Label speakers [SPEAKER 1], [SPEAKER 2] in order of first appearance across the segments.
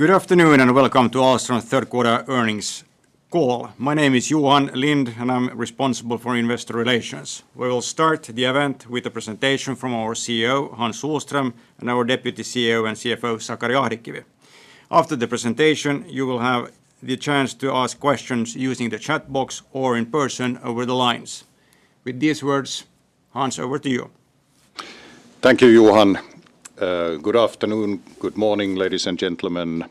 [SPEAKER 1] Good afternoon, welcome to Ahlstrom's Third Quarter Earnings Call. My name is Johan Lindh, and I'm responsible for investor relations. We will start the event with a presentation from our CEO, Hans Sohlström, and our Deputy CEO and CFO, Sakari Ahdekivi. After the presentation, you will have the chance to ask questions using the chat box or in person over the lines. With these words, Hans, over to you.
[SPEAKER 2] Thank you, Johan. Good afternoon, good morning, ladies and gentlemen.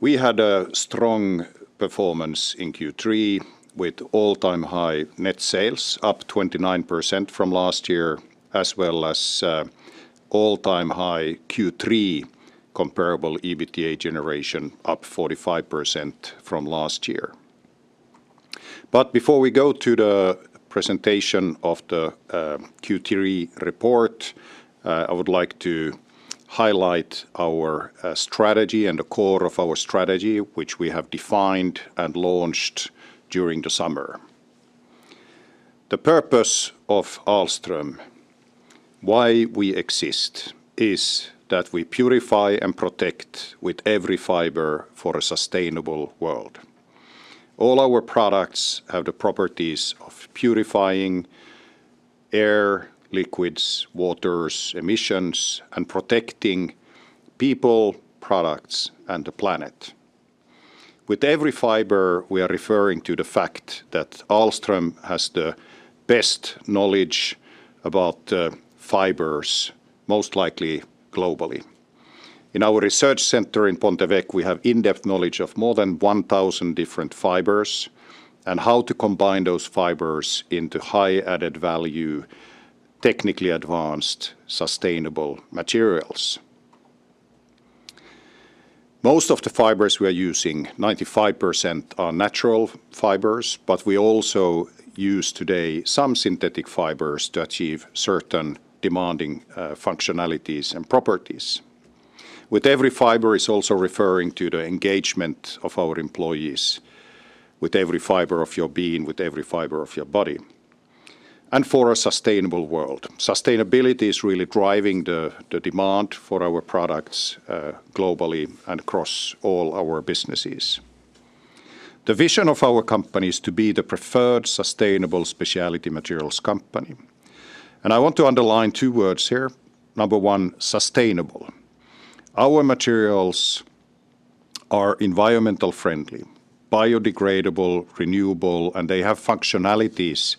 [SPEAKER 2] We had a strong performance in Q3 with all-time high net sales, up 29% from last year, as well as, all-time high Q3 comparable EBITDA generation, up 45% from last year. Before we go to the presentation of the Q3 report, I would like to highlight our strategy and the core of our strategy, which we have defined and launched during the summer. The purpose of Ahlstrom, why we exist, is that we purify and protect with every fiber for a sustainable world. All our products have the properties of purifying air, liquids, waters, emissions, and protecting people, products, and the planet. With every fiber, we are referring to the fact that Ahlstrom has the best knowledge about fibers, most likely globally. In our research center in Pont-Évêque, we have in-depth knowledge of more than 1,000 different fibers and how to combine those fibers into high added value, technically advanced, sustainable materials. Most of the fibers we are using, 95% are natural fibers, but we also use today some synthetic fibers to achieve certain demanding functionalities and properties. With every fiber is also referring to the engagement of our employees with every fiber of your being, with every fiber of your body, and for a sustainable world. Sustainability is really driving the demand for our products globally and across all our businesses. The vision of our company is to be the preferred sustainable specialty materials company. I want to underline two words here. Number one, sustainable. Our materials are environmentally friendly, biodegradable, renewable, and they have functionalities,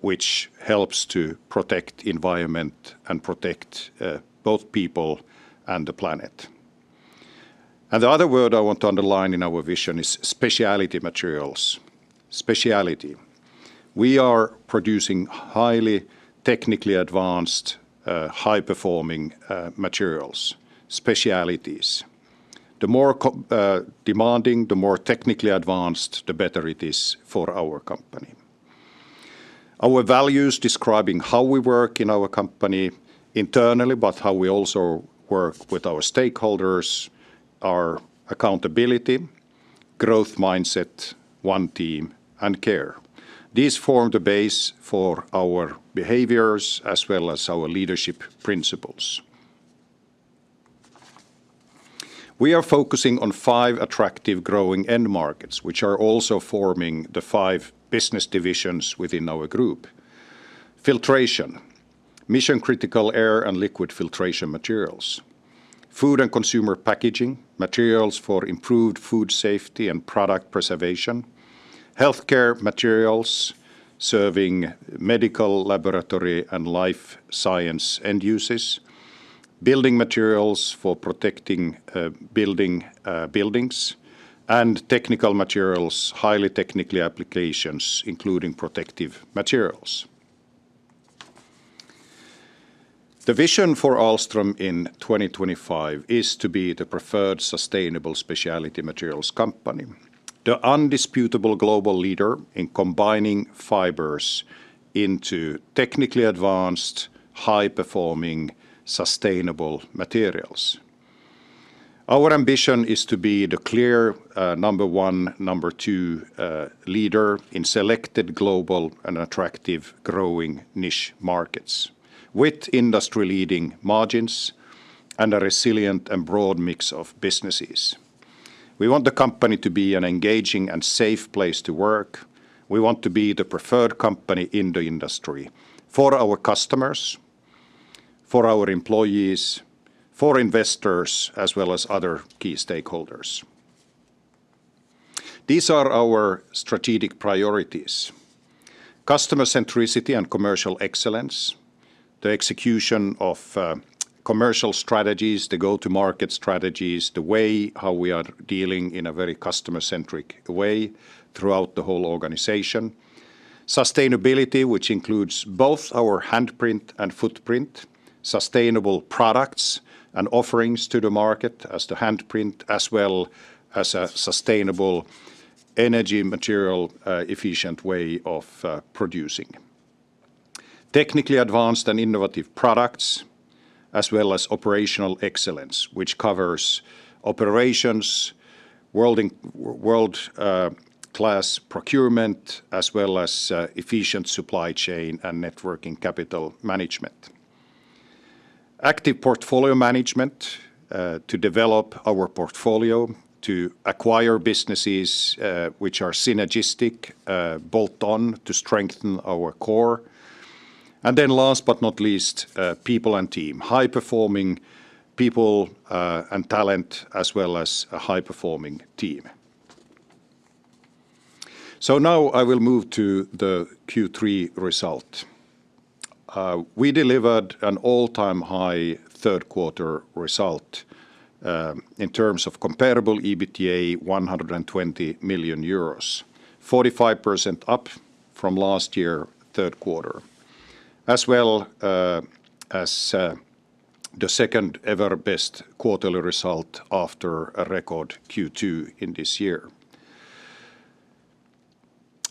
[SPEAKER 2] which helps to protect environment and protect both people and the planet. The other word I want to underline in our vision is specialty materials. Specialty. We are producing highly technically advanced, high-performing materials, specialties. The more demanding, the more technically advanced, the better it is for our company. Our values describing how we work in our company internally, but how we also work with our stakeholders are accountability, growth mindset, one team, and care. These form the base for our behaviors as well as our leadership principles. We are focusing on five attractive growing end markets, which are also forming the five business divisions within our group. Filtration, mission-critical air and liquid filtration materials. Food and consumer packaging, materials for improved food safety and product preservation. Healthcare materials, serving medical, laboratory, and life science end uses. Building materials for protecting building buildings and technical materials, highly technical applications, including protective materials. The vision for Ahlstrom in 2025 is to be the preferred sustainable specialty materials company, the undisputable global leader in combining fibers into technically advanced, high-performing, sustainable materials. Our ambition is to be the clear number one, number two leader in selected global and attractive growing niche markets with industry-leading margins and a resilient and broad mix of businesses. We want the company to be an engaging and safe place to work. We want to be the preferred company in the industry for our customers, for our employees, for investors, as well as other key stakeholders. These are our strategic priorities: customer centricity and commercial excellence, the execution of commercial strategies, the go-to-market strategies, the way how we are dealing in a very customer-centric way throughout the whole organization. Sustainability, which includes both our handprint and footprint, sustainable products and offerings to the market as to handprint, as well as a sustainable energy material, efficient way of producing. Technically advanced and innovative products, as well as operational excellence, which covers world class procurement as well as efficient supply chain and networking capital management. Active portfolio management to develop our portfolio, to acquire businesses which are synergistic bolt-on to strengthen our core. Last but not least, people and team. High-performing people and talent, as well as a high-performing team. Now I will move to the Q3 result. We delivered an all-time high third quarter result, in terms of comparable EBITDA 120 million euros, 45% up from last year third quarter, as well as the second-ever best quarterly result after a record Q2 in this year.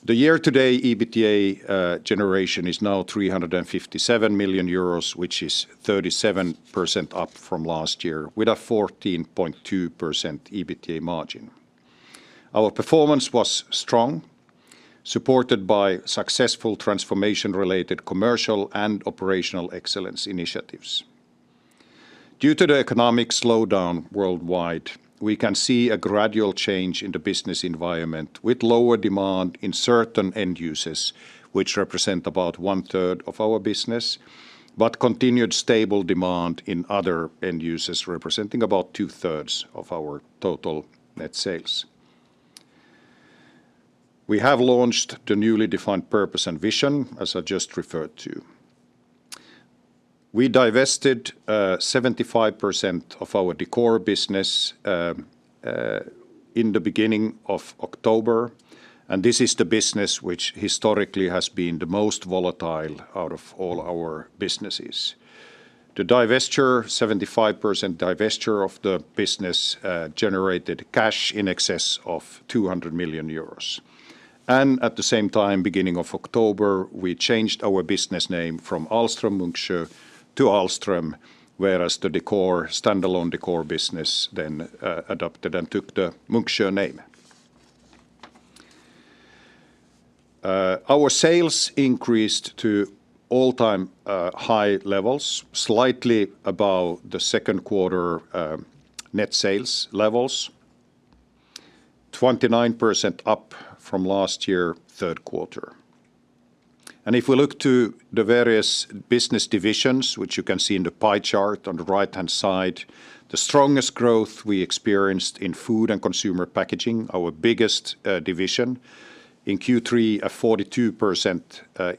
[SPEAKER 2] The year-to-date EBITDA generation is now 357 million euros, which is 37% up from last year with a 14.2% EBITDA margin. Our performance was strong, supported by successful transformation-related commercial and operational excellence initiatives. Due to the economic slowdown worldwide, we can see a gradual change in the business environment with lower demand in certain end uses, which represent about one-third of our business, but continued stable demand in other end uses representing about two-thirds of our total net sales. We have launched the newly defined purpose and vision, as I just referred to. We divested 75% of our Decor business in the beginning of October, this is the business which historically has been the most volatile out of all our businesses. The 75% divesture of the business generated cash in excess of 200 million euros. At the same time, beginning of October, we changed our business name from Ahlstrom-Munksjö to Ahlstrom, whereas the Decor, stand-alone Decor business then adopted and took the Munksjö name. Our sales increased to all-time high levels, slightly above the second quarter net sales levels, 29% up from last year third quarter. If we look to the various business divisions, which you can see in the pie chart on the right-hand side, the strongest growth we experienced in food and consumer packaging, our biggest division. In Q3, a 42%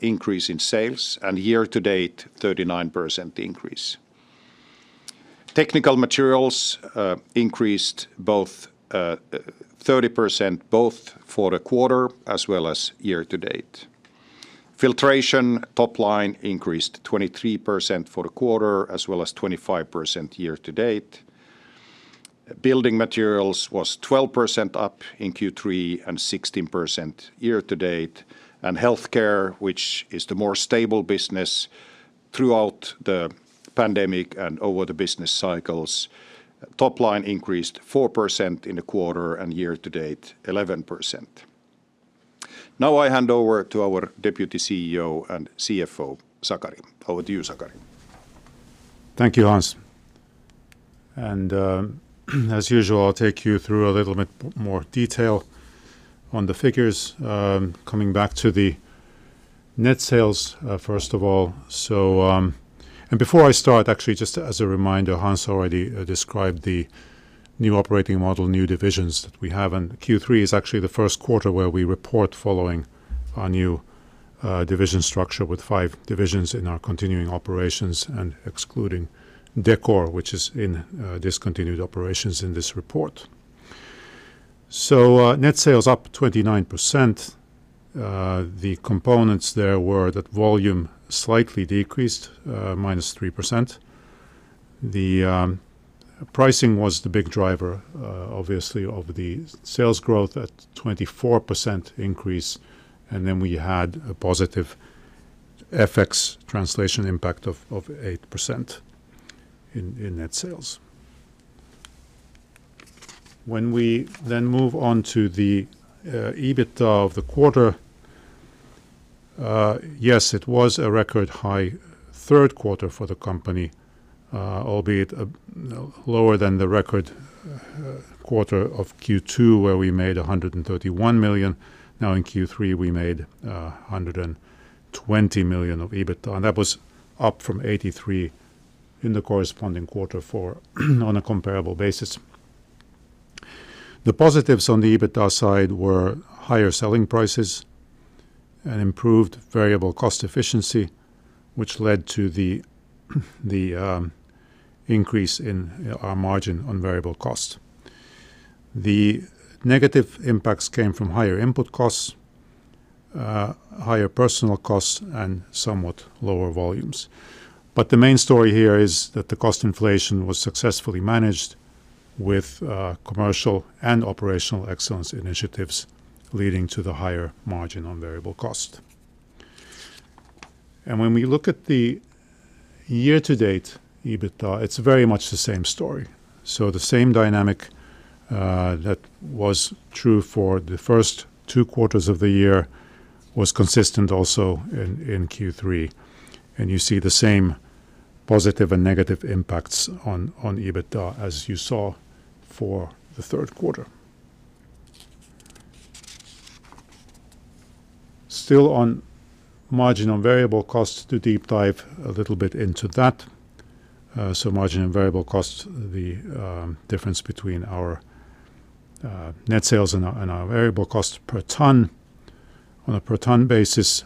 [SPEAKER 2] increase in sales, and year to date, 39% increase. Technical materials increased both, 30% both for the quarter as well as year to date. Filtration top line increased 23% for the quarter as well as 25% year to date. Building materials was 12% up in Q3 and 16% year to date. Healthcare, which is the more stable business throughout the pandemic and over the business cycles, top line increased 4% in the quarter and year to date 11%. Now I hand over to our Deputy CEO and CFO, Sakari. Over to you, Sakari.
[SPEAKER 3] Thank you, Hans. As usual, I'll take you through a little bit more detail on the figures, coming back to the net sales, first of all. Before I start, actually, just as a reminder, Hans already described the new operating model, new divisions that we have, and Q3 is actually the first quarter where we report following our new division structure with five divisions in our continuing operations and excluding Decor, which is in discontinued operations in this report. Net sales up 29%. The components there were that volume slightly decreased, -3%. The pricing was the big driver, obviously of the sales growth at 24% increase, and then we had a positive FX translation impact of 8% in net sales. When we then move on to the EBITDA of the quarter, yes, it was a record high third quarter for the company, albeit, you know, lower than the record quarter of Q2, where we made 131 million. Now, in Q3, we made 120 million of EBITDA, and that was up from 83 million in the corresponding quarter for on a comparable basis. The positives on the EBITDA side were higher selling prices and improved variable cost efficiency, which led to the increase in our margin on variable cost. The negative impacts came from higher input costs, higher personal costs, and somewhat lower volumes. The main story here is that the cost inflation was successfully managed with commercial and operational excellence initiatives leading to the higher margin on variable cost. When we look at the year-to-date EBITDA, it's very much the same story. The same dynamic that was true for the first two quarters of the year was consistent also in Q3. You see the same positive and negative impacts on EBITDA as you saw for the third quarter. Still on margin on variable costs to deep dive a little bit into that. Margin on variable costs, the difference between our net sales and our variable cost per ton. On a per ton basis,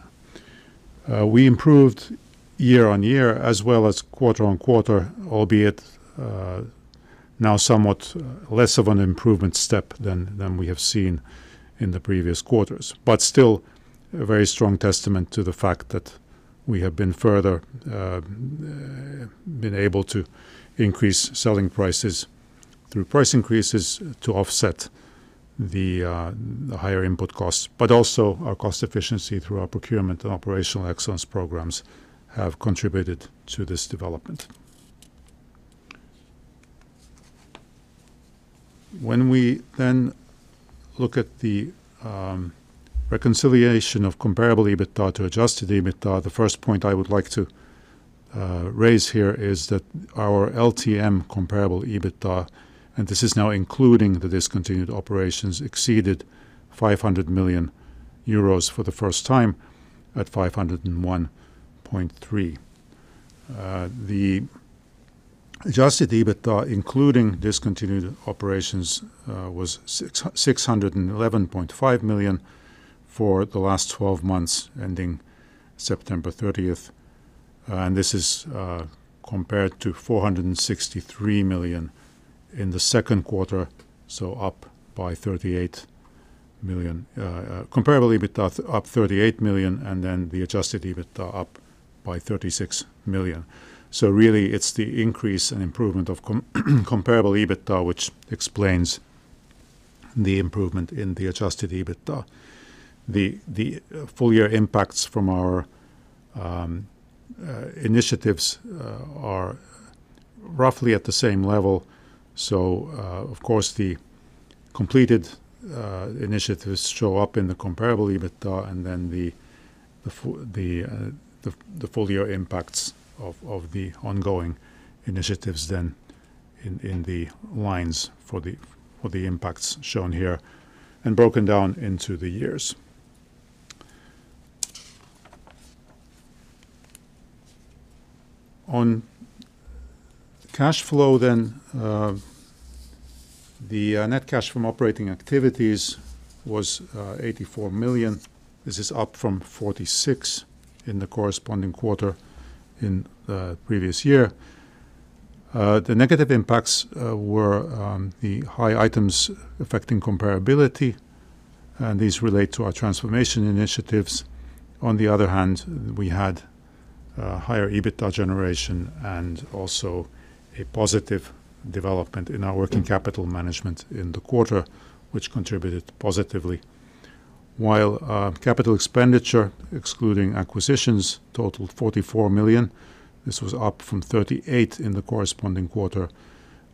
[SPEAKER 3] we improved year-on-year as well as quarter-on-quarter, albeit now somewhat less of an improvement step than we have seen in the previous quarters. Still a very strong testament to the fact that we have been further able to increase selling prices through price increases to offset the higher input costs. Also our cost efficiency through our procurement and operational excellence programs have contributed to this development. When we look at the reconciliation of comparable EBITDA to adjusted EBITDA, the first point I would like to raise here is that our LTM comparable EBITDA, and this is now including the discontinued operations, exceeded 500 million euros for the first time at 501.3 million. The adjusted EBITDA, including discontinued operations, was 611.5 million for the last 12 months ending September 30th. This is compared to 463 million in the second quarter, up by 38 million. Comparable EBITDA up 38 million, and then the adjusted EBITDA up by 36 million. Really, it's the increase and improvement of comparable EBITDA which explains the improvement in the adjusted EBITDA. The full year impacts from our initiatives are roughly at the same level. Of course, the completed initiatives show up in the comparable EBITDA, and then the full year impacts of the ongoing initiatives then in the lines for the impacts shown here and broken down into the years. On cash flow then, the net cash from operating activities was 84 million. This is up from 46 million in the corresponding quarter in the previous year. The negative impacts were the high items affecting comparability, and these relate to our transformation initiatives. On the other hand, we had higher EBITDA generation and also a positive development in our working capital management in the quarter, which contributed positively. While capital expenditure, excluding acquisitions, totaled 44 million, this was up from 38 million in the corresponding quarter.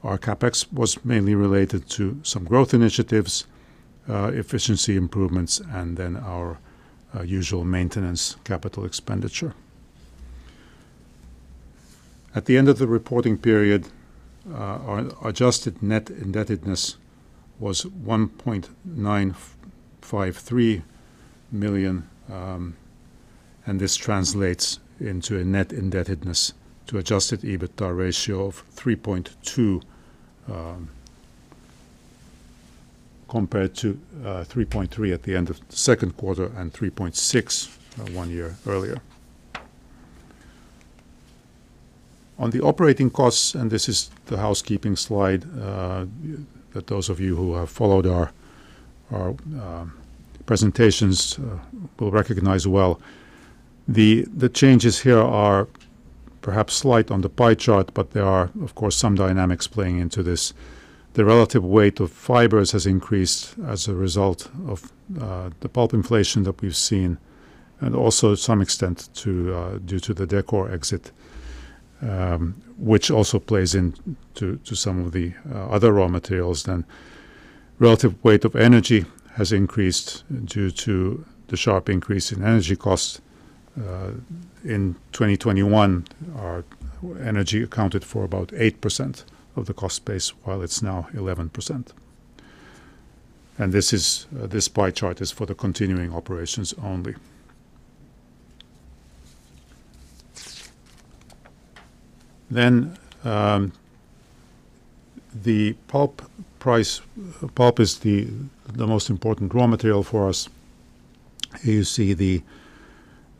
[SPEAKER 3] Our CapEx was mainly related to some growth initiatives, efficiency improvements, and then our usual maintenance capital expenditure. At the end of the reporting period, our adjusted net indebtedness was 1.953 million. This translates into a net indebtedness to adjusted EBITDA ratio of 3.2, compared to 3.3 at the end of the second quarter and 3.6 one year earlier. On the operating costs, this is the housekeeping slide that those of you who have followed our presentations will recognize well. The changes here are perhaps slight on the pie chart, but there are of course some dynamics playing into this. The relative weight of fibers has increased as a result of the pulp inflation that we've seen, and also to some extent due to the Decor exit, which also plays into some of the other raw materials. Relative weight of energy has increased due to the sharp increase in energy costs. In 2021, our energy accounted for about 8% of the cost base, while it's now 11%. This is, this pie chart is for the continuing operations only. The pulp price. Pulp is the most important raw material for us. You see the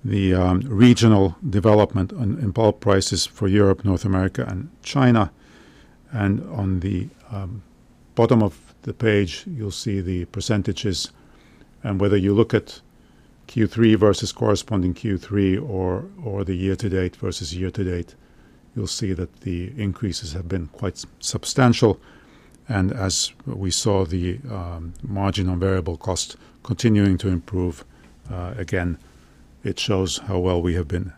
[SPEAKER 3] regional development in pulp prices for Europe, North America, and China. On the bottom of the page, you'll see the percentages. Whether you look at Q3 versus corresponding Q3 or the year to date versus year to date, you'll see that the increases have been quite substantial. As we saw the marginal variable cost continuing to improve, again, it shows how well we have been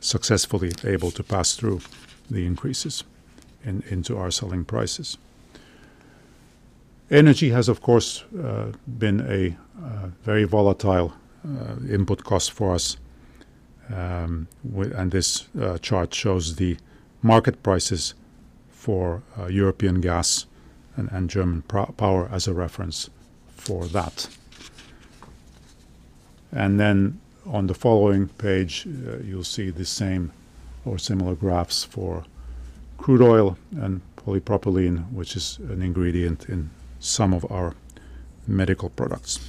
[SPEAKER 3] successfully able to pass through the increases into our selling prices. Energy has, of course, been a very volatile input cost for us. This chart shows the market prices for European gas and German power as a reference for that. On the following page, you'll see the same or similar graphs for crude oil and polypropylene, which is an ingredient in some of our medical products.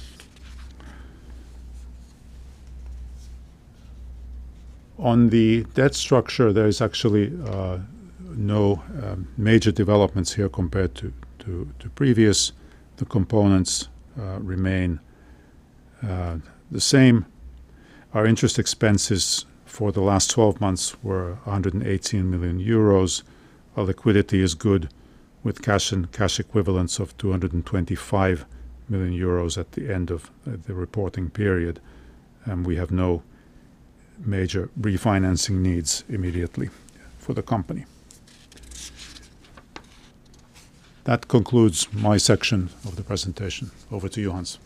[SPEAKER 3] On the debt structure, there is actually no major developments here compared to previous. The components remain the same. Our interest expenses for the last 12 months were 118 million euros. Our liquidity is good with cash and cash equivalents of 225 million euros at the end of the reporting period. We have no major refinancing needs immediately for the company. That concludes my section of the presentation. Over to you, Hans.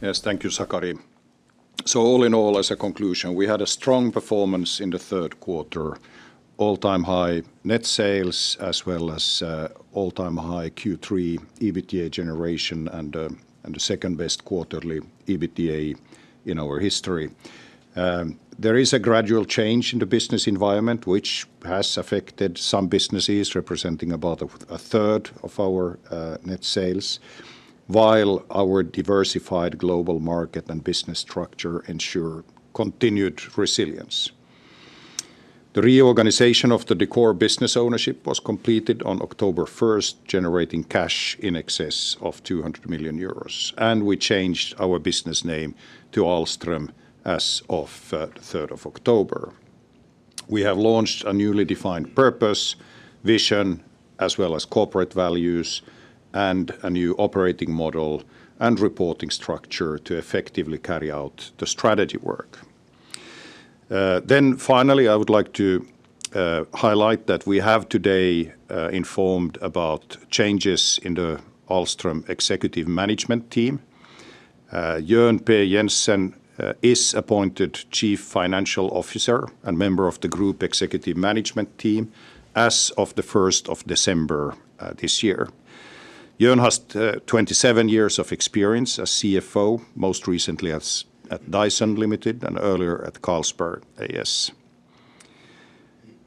[SPEAKER 2] Thank you, Sakari. All in all, as a conclusion, we had a strong performance in the third quarter, all-time high net sales, as well as all-time high Q3 EBITDA generation and the second best quarterly EBITDA in our history. There is a gradual change in the business environment, which has affected some businesses representing about a third of our net sales, while our diversified global market and business structure ensure continued resilience. The reorganization of the Decor business ownership was completed on October first, generating cash in excess of 200 million euros. We changed our business name to Ahlstrom as of third of October. We have launched a newly defined purpose, vision, as well as corporate values and a new operating model and reporting structure to effectively carry out the strategy work. Finally, I would like to highlight that we have today informed about changes in the Ahlstrom executive management team. Jorn P. Jensen is appointed Chief Financial Officer and member of the group executive management team as of the 1st of December this year. Jorn has 27 years of experience as CFO, most recently as at Dyson Limited and earlier at Carlsberg A/S.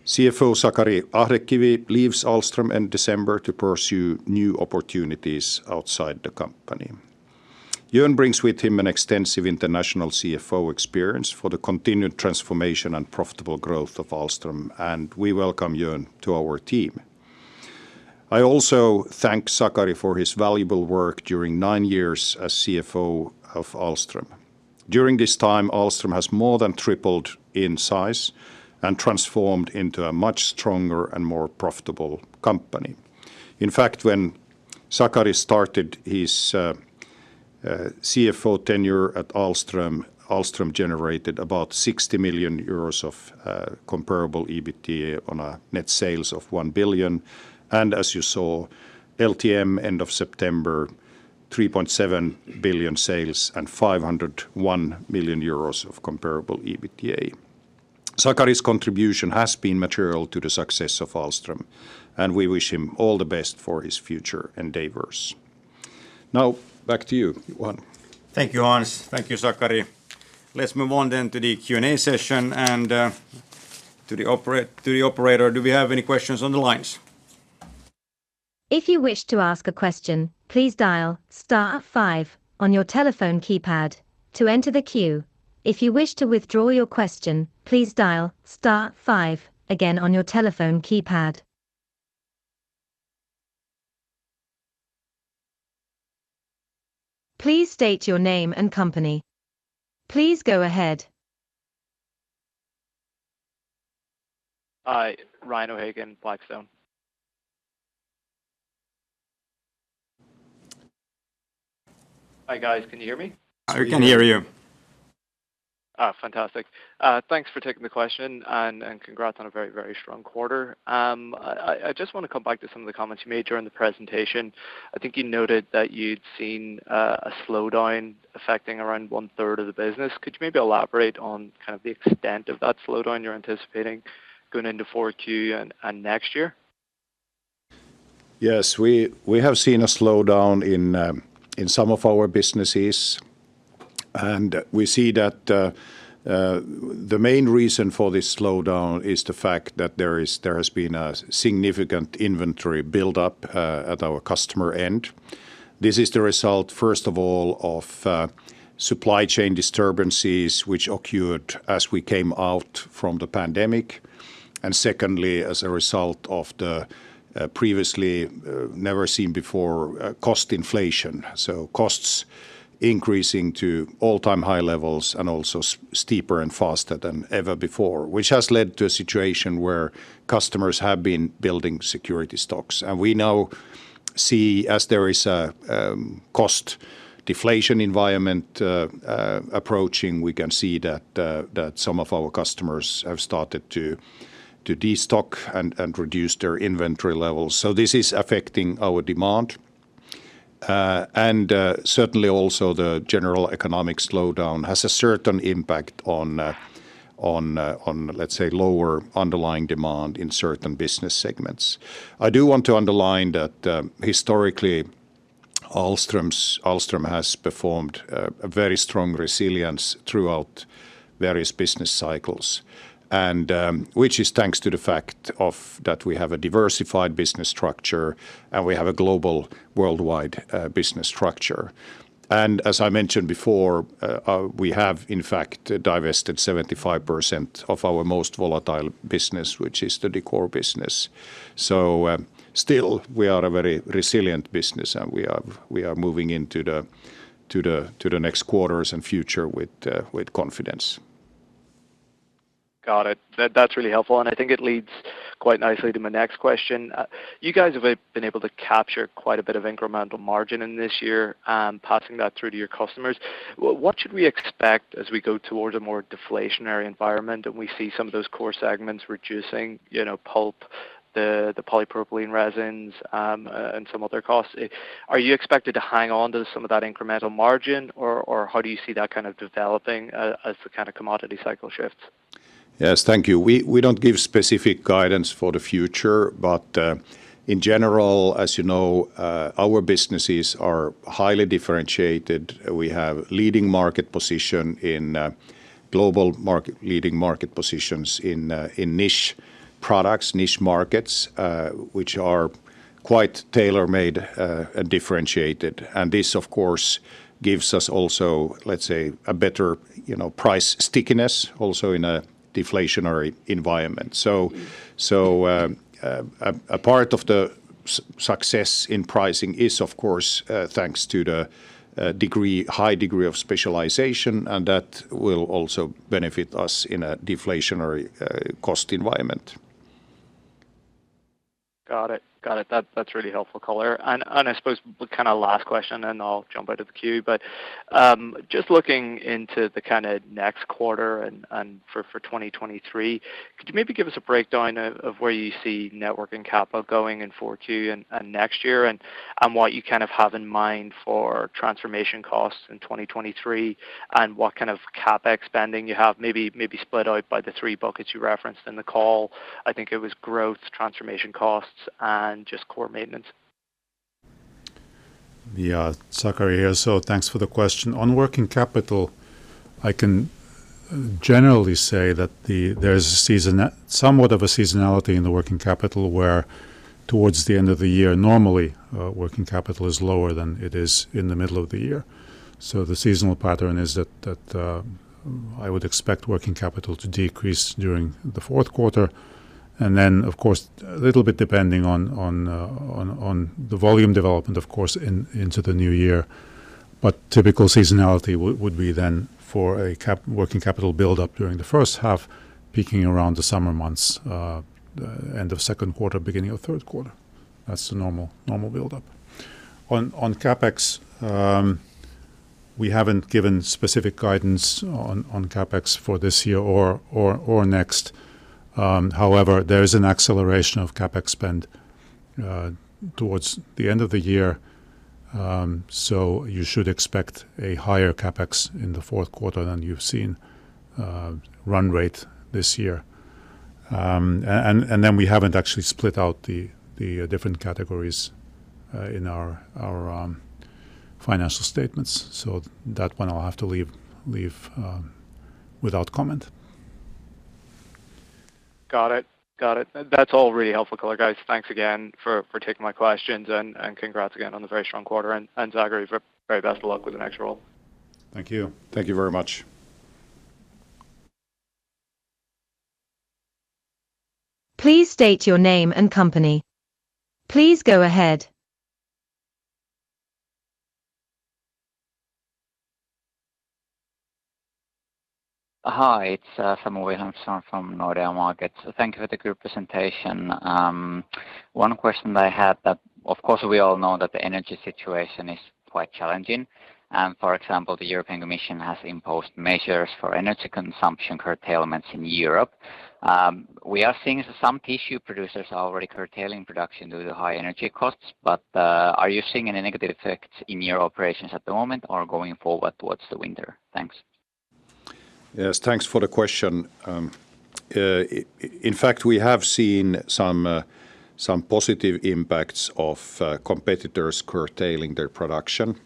[SPEAKER 2] CFO Sakari Ahdekivi leaves Ahlstrom in December to pursue new opportunities outside the company. Jorn brings with him an extensive international CFO experience for the continued transformation and profitable growth of Ahlstrom. We welcome Jorn to our team. I also thank Sakari for his valuable work during 9 years as CFO of Ahlstrom. During this time, Ahlstrom has more than tripled in size and transformed into a much stronger and more profitable company. In fact, when Sakari started his CFO tenure at Ahlstrom generated about 60 million euros of comparable EBITDA on a net sales of 1 billion. As you saw, LTM end of September, 3.7 billion sales and 501 million euros of comparable EBITDA. Sakari's contribution has been material to the success of Ahlstrom, and we wish him all the best for his future endeavors. Back to you, Johan.
[SPEAKER 1] Thank you, Hans. Thank you, Sakari. Let's move on then to the Q&A session and to the operator. Do we have any questions on the lines?
[SPEAKER 4] If you wish to ask a question, please dial star five on your telephone keypad to enter the queue. If you wish to withdraw your question, please dial star five again on your telephone keypad. Please state your name and company. Please go ahead.
[SPEAKER 5] Hi. Ryan O'Hagan, Blackstone. Hi, guys. Can you hear me?
[SPEAKER 2] We can hear you.
[SPEAKER 5] Fantastic. Thanks for taking the question and congrats on a very strong quarter. I just want to come back to some of the comments you made during the presentation. I think you noted that you'd seen a slowdown affecting around one-third of the business. Could you maybe elaborate on kind of the extent of that slowdown you're anticipating going into four Q and next year?
[SPEAKER 2] Yes. We have seen a slowdown in some of our businesses, and we see that the main reason for this slowdown is the fact that there has been a significant inventory buildup at our customer end. This is the result, first of all, of supply chain disturbances which occurred as we came out from the pandemic, and secondly, as a result of the previously never seen before cost inflation. So costs increasing to all-time high levels and also steeper and faster than ever before, which has led to a situation where customers have been building security stocks. And we now see as there is a cost deflation environment approaching, we can see that some of our customers have started to destock and reduce their inventory levels. This is affecting our demand, and certainly also the general economic slowdown has a certain impact on, let's say, lower underlying demand in certain business segments. I do want to underline that historically, Ahlstrom has performed a very strong resilience throughout various business cycles, and which is thanks to the fact of that we have a diversified business structure, and we have a global worldwide business structure. As I mentioned before, we have in fact divested 75% of our most volatile business, which is the Decor business. Still, we are a very resilient business, and we are moving into the next quarters and future with confidence.
[SPEAKER 5] Got it. That's really helpful, and I think it leads quite nicely to my next question. You guys have been able to capture quite a bit of incremental margin in this year and passing that through to your customers. Well, what should we expect as we go towards a more deflationary environment, and we see some of those core segments reducing, you know, pulp, the polypropylene resins, and some other costs? Are you expected to hang on to some of that incremental margin, or how do you see that kind of developing as the kind of commodity cycle shifts?
[SPEAKER 2] Yes. Thank you. We don't give specific guidance for the future, but in general, as you know, our businesses are highly differentiated. We have leading market position in global market leading market positions in niche products, niche markets, which are quite tailor-made and differentiated. This, of course, gives us also, let's say, a better, you know, price stickiness also in a deflationary environment. So, a part of the success in pricing is, of course, thanks to the degree, high degree of specialization, and that will also benefit us in a deflationary cost environment.
[SPEAKER 5] Got it. Got it. That's really helpful color. I suppose the kinda last question, and I'll jump out of the queue. Just looking into the kinda next quarter and for 2023, could you maybe give us a breakdown of where you see network and cap going in four Q and next year and what you kind of have in mind for transformation costs in 2023, and what kind of CapEx spending you have maybe split out by the three buckets you referenced in the call? I think it was growth, transformation costs, and just core maintenance.
[SPEAKER 3] Yeah. Sakari here. Thanks for the question. On working capital, I can generally say that there's a somewhat of a seasonality in the working capital, where towards the end of the year, normally, working capital is lower than it is in the middle of the year. The seasonal pattern is that, I would expect working capital to decrease during the fourth quarter. Of course, a little bit depending on the volume development, of course, into the new year. Typical seasonality would be then for a working capital build up during the first half, peaking around the summer months, the end of second quarter, beginning of third quarter. That's the normal buildup. On CapEx, we haven't given specific guidance on CapEx for this year or next. However, there is an acceleration of CapEx spend towards the end of the year. You should expect a higher CapEx in the fourth quarter than you've seen run rate this year. We haven't actually split out the different categories in our financial statements. That one I'll have to leave without comment.
[SPEAKER 5] Got it. Got it. That's all really helpful color, guys. Thanks again for taking my questions and Sakari, very best of luck with the next role.
[SPEAKER 3] Thank you. Thank you very much.
[SPEAKER 4] Please state your name and company. Please go ahead.
[SPEAKER 6] Hi, it's Samu Wilhelmsson from Nordea Markets. Thank you for the good presentation. One question that I had that of course we all know that the energy situation is quite challenging. For example, the European Commission has imposed measures for energy consumption curtailments in Europe. We are seeing some tissue producers already curtailing production due to high energy costs. Are you seeing any negative effects in your operations at the moment or going forward towards the winter? Thanks.
[SPEAKER 2] Yes. Thanks for the question. In fact, we have seen some positive impacts of competitors curtailing their production.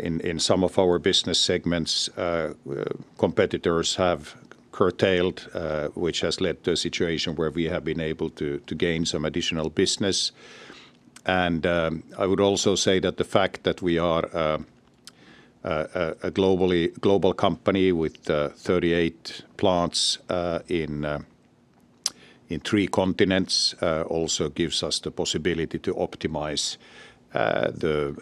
[SPEAKER 2] In some of our business segments, competitors have curtailed, which has led to a situation where we have been able to gain some additional business. I would also say that the fact that we are a globally global company with 38 plants in three continents also gives us the possibility to optimize the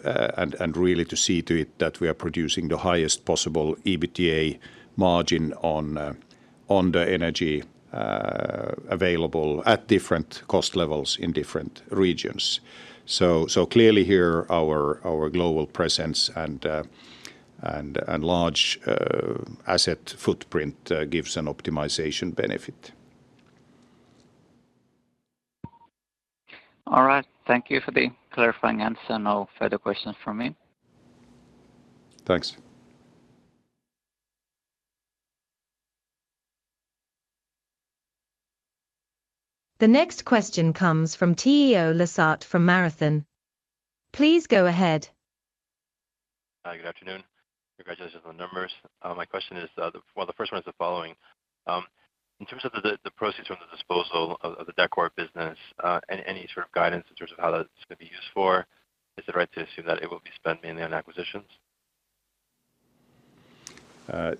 [SPEAKER 2] and really to see to it that we are producing the highest possible EBITDA margin on the energy available at different cost levels in different regions. Clearly here, our global presence and large asset footprint gives an optimization benefit.
[SPEAKER 6] All right. Thank you for the clarifying answer. No further questions from me.
[SPEAKER 2] Thanks.
[SPEAKER 4] The next question comes from Teo Lasarte from Marathon. Please go ahead.
[SPEAKER 7] Good afternoon. Congratulations on the numbers. My question is, the first one is the following. In terms of the proceeds from the disposal of the Decor business, any sort of guidance in terms of how that's gonna be used for? Is it right to assume that it will be spent mainly on acquisitions?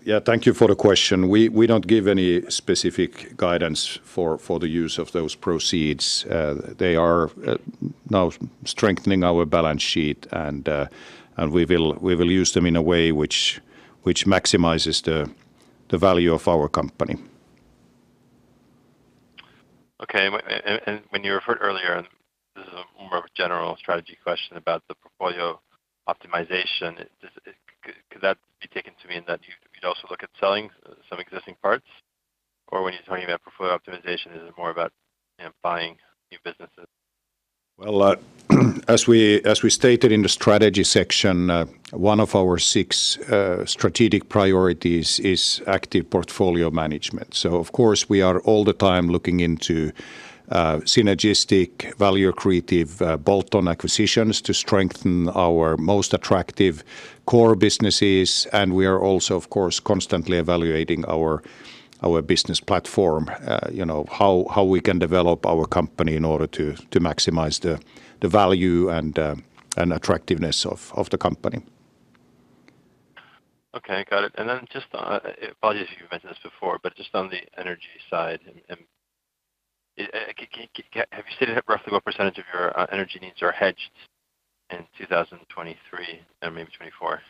[SPEAKER 2] Yeah. Thank you for the question. We don't give any specific guidance for the use of those proceeds. They are now strengthening our balance sheet and we will use them in a way which maximizes the value of our company.
[SPEAKER 7] Okay. When you referred earlier, this is more of a general strategy question about the portfolio optimization. Could that be taken to mean that you could also look at selling some existing parts? When you're talking about portfolio optimization, is it more about, you know, buying new businesses?
[SPEAKER 2] Well, as we stated in the strategy section, one of our six strategic priorities is active portfolio management. Of course, we are all the time looking into synergistic value creative bolt-on acquisitions to strengthen our most attractive core businesses. We are also, of course, constantly evaluating our business platform. You know, how we can develop our company in order to maximize the value and attractiveness of the company.
[SPEAKER 7] Okay. Got it. Just on apologies if you've mentioned this before, but just on the energy side. Have you stated roughly what % of your energy needs are hedged in 2023, and maybe 2024?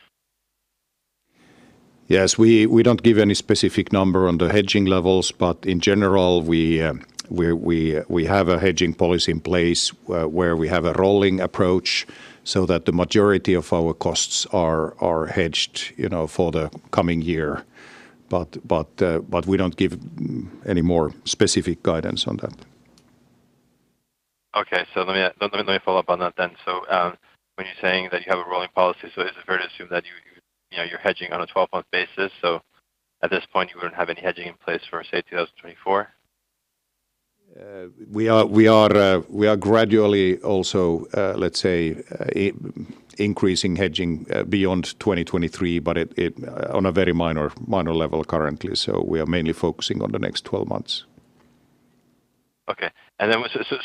[SPEAKER 2] Yes. We don't give any specific number on the hedging levels. In general we have a hedging policy in place where we have a rolling approach so that the majority of our costs are hedged, you know, for the coming year. We don't give any more specific guidance on that.
[SPEAKER 7] Okay. Let me follow up on that then. When you're saying that you have a rolling policy, is it fair to assume that you know, you're hedging on a 12 month basis, at this point you wouldn't have any hedging in place for, say, 2024?
[SPEAKER 2] We are gradually also, let's say increasing hedging, beyond 2023, but at on a very minor level currently. We are mainly focusing on the next 12 months.
[SPEAKER 7] Okay.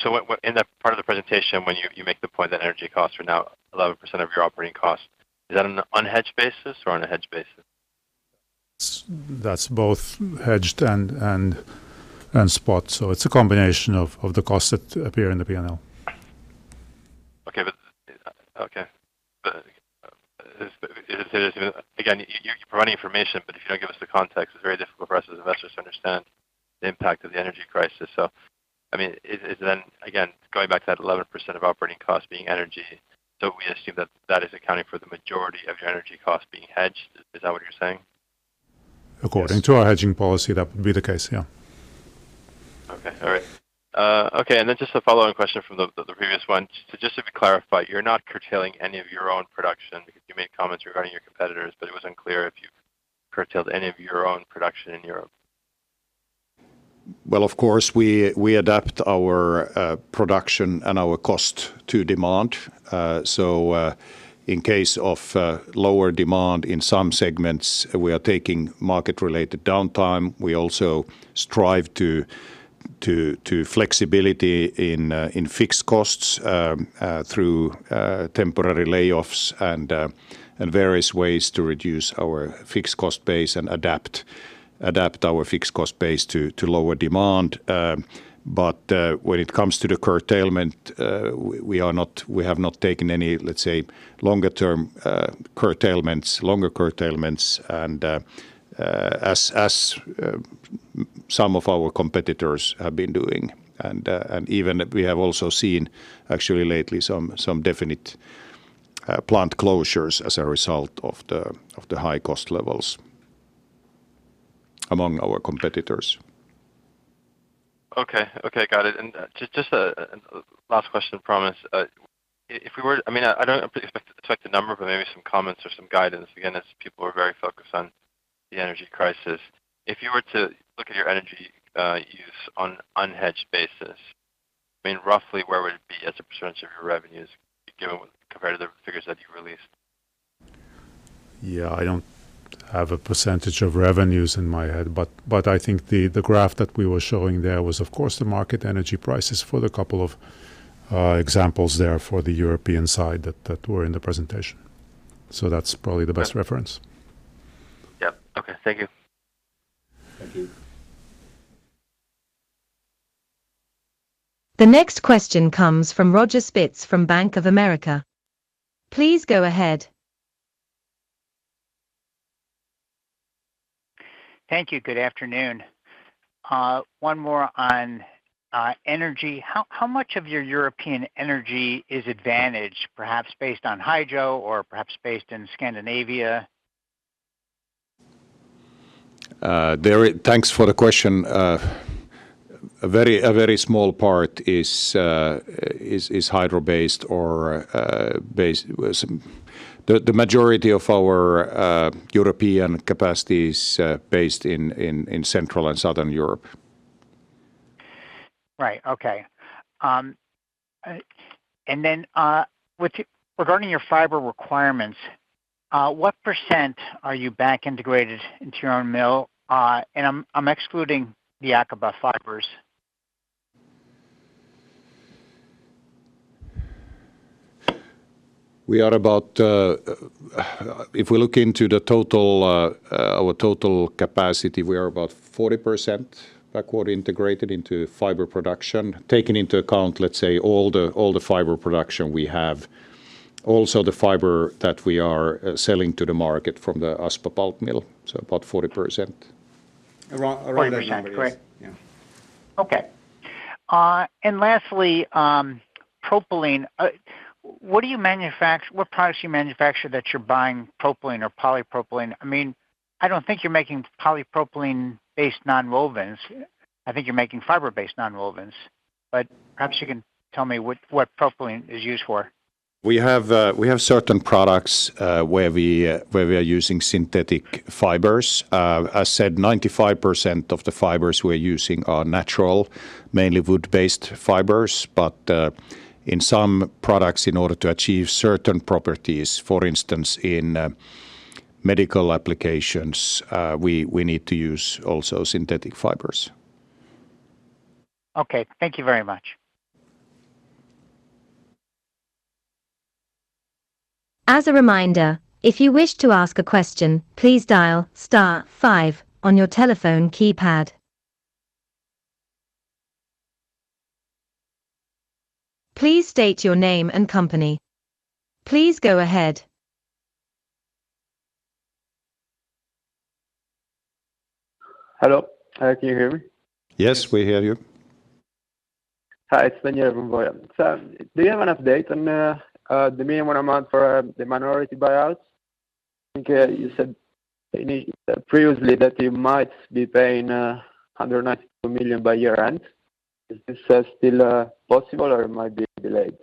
[SPEAKER 7] So what in that part of the presentation when you make the point that energy costs are now 11% of your operating costs, is that on an unhedged basis or on a hedged basis?
[SPEAKER 2] That's both hedged and, and spot. It's a combination of the costs that appear in the P&L.
[SPEAKER 7] Okay. Okay. Is it fair to say that again, you're providing information, but if you don't give us the context, it's very difficult for us as investors to understand the impact of the energy crisis. I mean, is then again going back to that 11% of operating costs being energy, so we assume that that is accounting for the majority of your energy costs being hedged. Is that what you're saying?
[SPEAKER 2] According to our hedging policy, that would be the case. Yeah.
[SPEAKER 7] Okay. All right. Okay. Just a follow-on question from the previous one. Just to clarify, you're not curtailing any of your own production. You made comments regarding your competitors, but it was unclear if you've curtailed any of your own production in Europe.
[SPEAKER 2] Of course we adapt our production and our cost to demand. In case of lower demand in some segments, we are taking market related downtime. We also strive to flexibility in fixed costs through temporary layoffs and various ways to reduce our fixed cost base and adapt our fixed cost base to lower demand. When it comes to the curtailment, we have not taken any, let's say, longer term curtailments, longer curtailments as some of our competitors have been doing. Even we have also seen actually lately some definite plant closures as a result of the high cost levels among our competitors.
[SPEAKER 7] Okay. Okay. Got it. Just a last question, promise. I mean, I don't expect a number, but maybe some comments or some guidance. Again, as people are very focused on the energy crisis. If you were to look at your energy use on unhedged basis, I mean, roughly where would it be as a % of your revenues given compared to the figures that you released?
[SPEAKER 2] Yeah. I don't have a % of revenues in my head, but I think the graph that we were showing there was of course the market energy prices for the couple of examples there for the European side that were in the presentation. That's probably the best reference.
[SPEAKER 7] Yep. Okay. Thank you.
[SPEAKER 2] Thank you.
[SPEAKER 4] The next question comes from Roger Spitz from Bank of America. Please go ahead.
[SPEAKER 8] Thank you. Good afternoon. One more on, energy. How much of your European energy is advantaged, perhaps based on hydro or perhaps based in Scandinavia?
[SPEAKER 2] Thanks for the question. A very small part is hydro-based or based. The majority of our European capacity is based in Central and Southern Europe.
[SPEAKER 8] Right. Okay. And then, regarding your fiber requirements, what % are you back integrated into your own mill? I'm excluding the Abaca fibers.
[SPEAKER 2] We are about, if we look into the total, our total capacity, we are about 40% backward integrated into fiber production. Taking into account, let's say, all the fiber production we have, also the fiber that we are selling to the market from the Aspa pulp mill, so about 40%. Around that number, yes.
[SPEAKER 8] 40%. Great.
[SPEAKER 2] Yeah.
[SPEAKER 8] Okay. Lastly, propylene. What products do you manufacture that you're buying propylene or polypropylene? I mean, I don't think you're making polypropylene-based nonwovens. I think you're making fiber-based nonwovens. Perhaps you can tell me what propylene is used for.
[SPEAKER 2] We have certain products, where we are using synthetic fibers. As said, 95% of the fibers we're using are natural, mainly wood-based fibers. In some products, in order to achieve certain properties, for instance, in medical applications, we need to use also synthetic fibers.
[SPEAKER 8] Okay. Thank you very much.
[SPEAKER 4] As a reminder, if you wish to ask a question, please dial star five on your telephone keypad. Please state your name and company. Please go ahead.
[SPEAKER 9] Hello. Hi, can you hear me?
[SPEAKER 2] Yes, we hear you.
[SPEAKER 9] Hi, it's Daniel from Boya. Do you have an update on the minimum amount for the minority buyouts? I think you said maybe previously that you might be paying 192 million by year-end. Is this still possible or it might be delayed?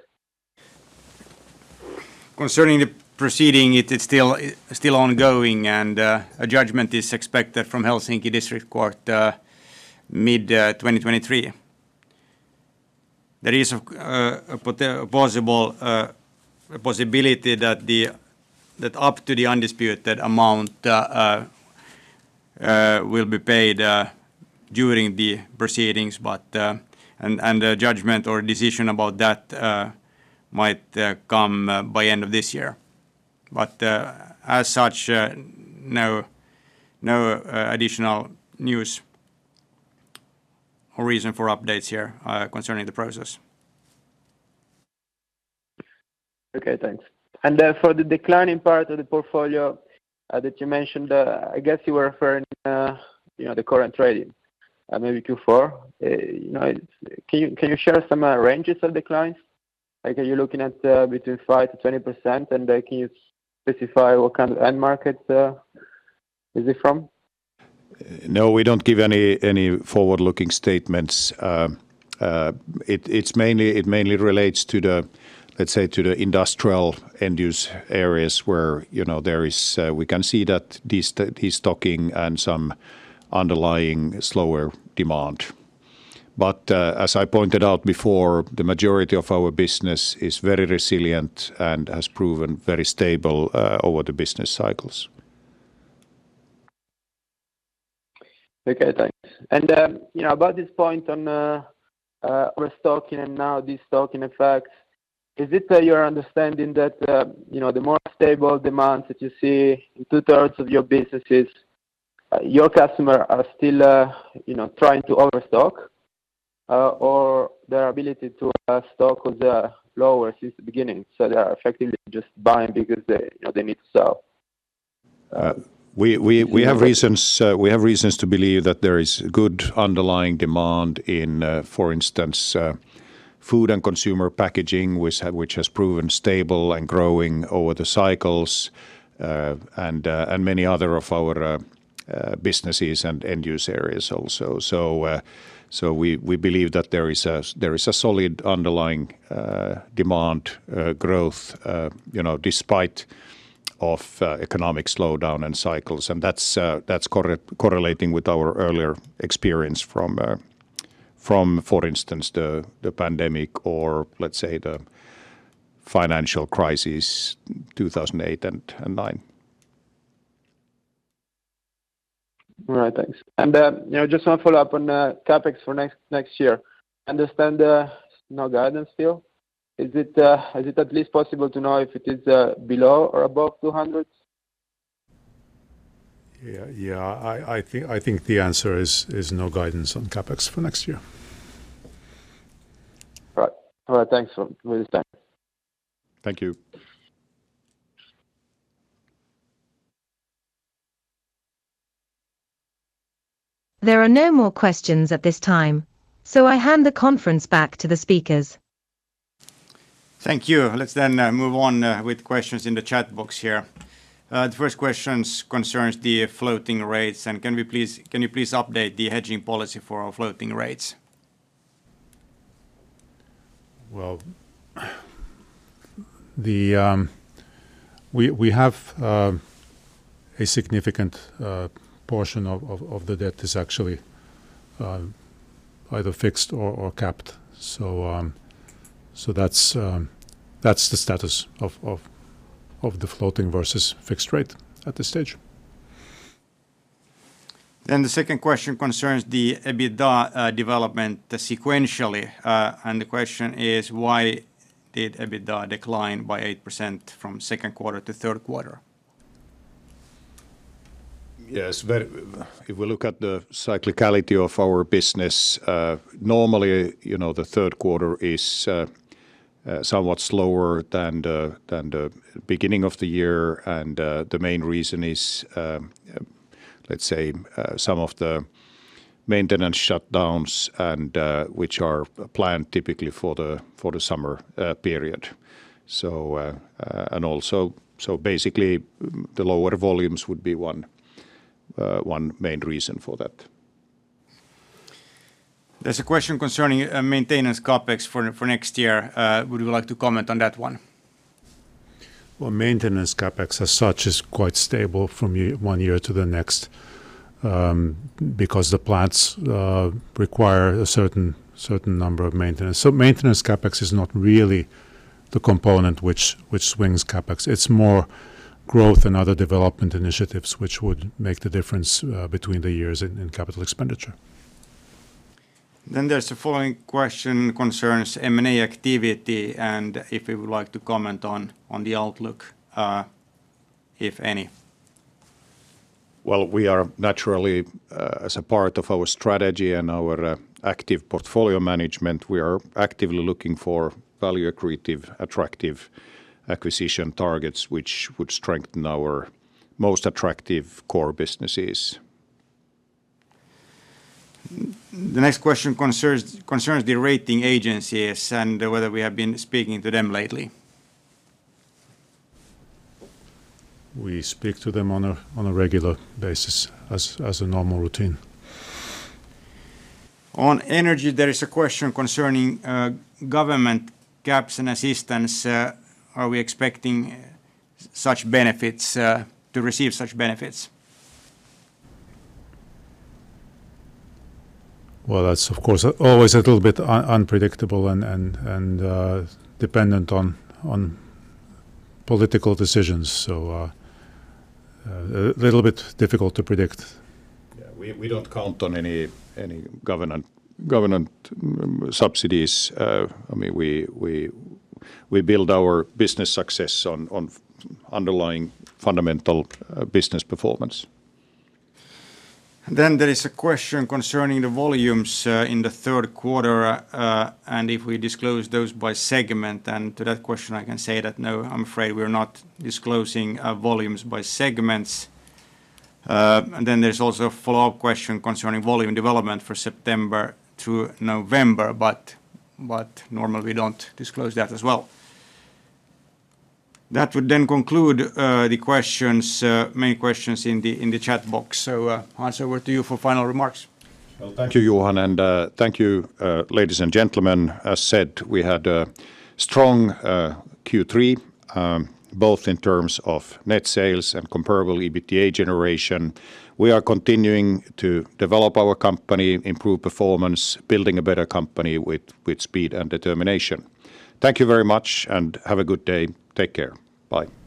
[SPEAKER 1] Concerning the proceeding, it is still ongoing, and a judgment is expected from Helsinki District Court mid-2023. There is a possible, a possibility that up to the undisputed amount will be paid during the proceedings, but a judgment or decision about that might come by end of this year. As such, no additional news or reason for updates here concerning the process.
[SPEAKER 9] Okay, thanks. For the declining part of the portfolio, that you mentioned, I guess you were referring, you know, the current trading, maybe Q4. You know, can you share some ranges of declines? Like, are you looking at 5%-20%? Then can you specify what kind of end market, is it from?
[SPEAKER 2] No, we don't give any forward-looking statements. It mainly relates to the, let's say, to the industrial end use areas where, you know, there is, we can see that destocking and some underlying slower demand. As I pointed out before, the majority of our business is very resilient and has proven very stable over the business cycles.
[SPEAKER 9] Okay, thanks. You know, about this point on overstocking and now destocking effects, is it your understanding that, you know, the more stable demands that you see in two-thirds of your businesses, your customer are still, you know, trying to overstock? Or their ability to stock was lower since the beginning, so they are effectively just buying because they, you know, they need to sell?
[SPEAKER 2] We have reasons to believe that there is good underlying demand in for instance food and consumer packaging which has proven stable and growing over the cycles, and many other of our businesses and end use areas also. We believe that there is a solid underlying demand growth, you know, despite of economic slowdown and cycles, and that's correlating with our earlier experience from for instance the pandemic or, let's say, the financial crisis 2008 and 2009.
[SPEAKER 9] All right, thanks. You know, just one follow-up on CapEx for next year. Understand there's no guidance still. Is it at least possible to know if it is, below or above 200?
[SPEAKER 2] Yeah. Yeah. I think the answer is no guidance on CapEx for next year.
[SPEAKER 9] Right. All right, thanks for your time.
[SPEAKER 2] Thank you.
[SPEAKER 4] There are no more questions at this time, so I hand the conference back to the speakers.
[SPEAKER 1] Thank you. Let's then move on with questions in the chat box here. The first questions concerns the floating rates and can you please update the hedging policy for our floating rates?
[SPEAKER 3] We have a significant portion of the debt is actually either fixed or capped. That's the status of the floating versus fixed rate at this stage.
[SPEAKER 1] The second question concerns the EBITDA development sequentially. The question is, why did EBITDA decline by 8% from second quarter to third quarter?
[SPEAKER 3] Yes. If we look at the cyclicality of our business, normally, you know, the third quarter is somewhat slower than the beginning of the year and the main reason is, let's say, some of the maintenance shutdowns and which are planned typically for the summer period. Basically, the lower volumes would be one main reason for that.
[SPEAKER 1] There's a question concerning maintenance CapEx for next year. Would you like to comment on that one?
[SPEAKER 3] Maintenance CapEx as such is quite stable from one year to the next because the plants require a certain number of maintenance. Maintenance CapEx is not really the component which swings CapEx. It's more growth and other development initiatives which would make the difference between the years in capital expenditure.
[SPEAKER 1] There's the following question concerns M&A activity and if you would like to comment on the outlook, if any.
[SPEAKER 3] We are naturally, as a part of our strategy and our active portfolio management, we are actively looking for value accretive, attractive acquisition targets which would strengthen our most attractive core businesses.
[SPEAKER 1] The next question concerns the rating agencies and whether we have been speaking to them lately.
[SPEAKER 3] We speak to them on a regular basis as a normal routine.
[SPEAKER 1] On energy, there is a question concerning government gaps and assistance. Are we expecting such benefits to receive such benefits?
[SPEAKER 3] That's of course always a little bit unpredictable and, dependent on political decisions. Little bit difficult to predict. We don't count on any government subsidies. I mean, we build our business success on underlying fundamental business performance.
[SPEAKER 1] There is a question concerning the volumes in the third quarter and if we disclose those by segment. To that question, I can say that, no, I'm afraid we're not disclosing volumes by segments. There's also a follow-up question concerning volume development for September to November, but normally we don't disclose that as well. That would then conclude the questions, main questions in the chat box. Hans, over to you for final remarks.
[SPEAKER 2] Well, thank you, Johan. Thank you, ladies and gentlemen. As said, we had a strong Q3, both in terms of net sales and comparable EBITDA generation. We are continuing to develop our company, improve performance, building a better company with speed and determination. Thank you very much. Have a good day. Take care. Bye.